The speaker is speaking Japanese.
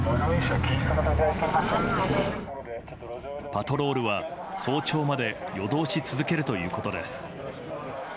パトロールは早朝まで夜通し続けるということです。